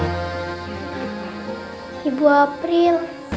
kak ibu april